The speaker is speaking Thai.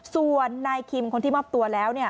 ส่วนนายคิมคนที่มอบตัวแล้ว